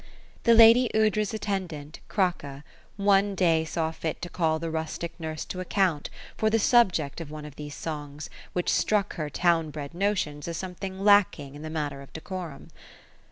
The lady Aoudra's attendant, Kraka, one day saw fit to oall tho rustic nurse to account for the subject of one of these songs, which struck her town bred notions as somewhat lacking in the matter of decorum.